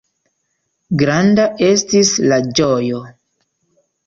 Granda estis la ĝojo!